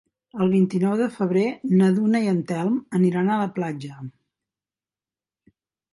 El vint-i-nou de febrer na Duna i en Telm aniran a la platja.